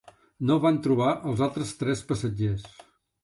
No van trobar els altres tres passatgers.